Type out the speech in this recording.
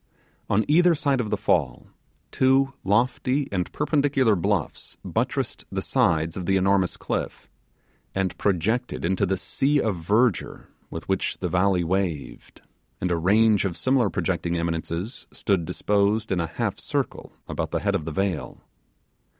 On each side of the fall, two lofty and perpendicular bluffs buttressed the sides of the enormous cliff, and projected into the sea of verdure with which the valley waved, and a range of similar projecting eminences stood disposed in a half circle about the head if the vale.